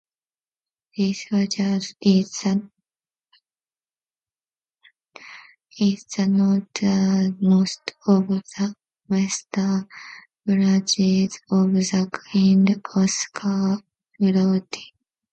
This fjord is the northernmost of the western branches of the King Oscar Fjord.